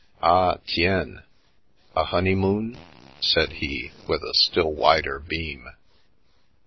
" Ah, tiens? A honeymoon?" said he, with a still wider beam.